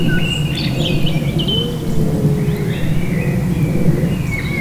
Уй, мин..